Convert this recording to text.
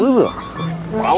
ini tidak baik